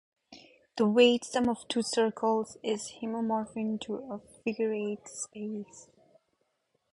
The wedge sum of two circles is homeomorphic to a figure-eight space.